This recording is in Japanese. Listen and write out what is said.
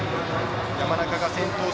山中が先頭。